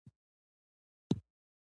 ښه ګټه ورسېده.